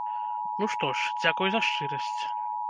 Ну што ж, дзякуй за шчырасць.